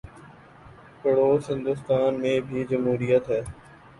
پڑوس ہندوستان میں بھی جمہوریت ہے۔